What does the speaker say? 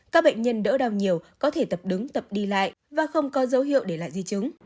các bệnh nhân đỡ đau nhiều có thể tập đứng tập đi lại và không có dấu hiệu để lại di chứng